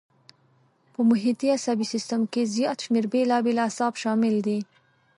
په محیطي عصبي سیستم کې زیات شمېر بېلابېل اعصاب شامل دي.